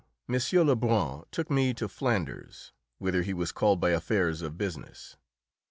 Lebrun took me to Flanders, whither he was called by affairs of business.